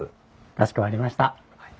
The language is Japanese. かしこまりました。